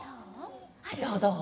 どうどう？